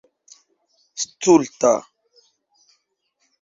stulta